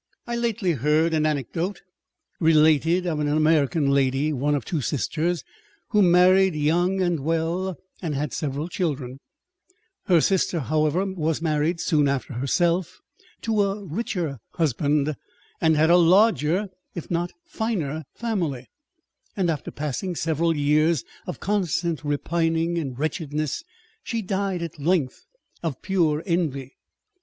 I lately heard an anecdote related of an American lady (one of two sisters) who married young and well, and had several children; her sister, however, was married soon after herself to a richer husband, and had a larger (if not finer) family, and after passing several years of con stant repining and wretchedness, she died at length of pure envy.